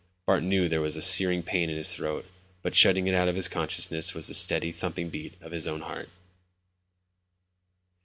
Bart knew there was a searing pain in his throat, but shutting it out of his consciousness was the steady, thumping beat of his own heart.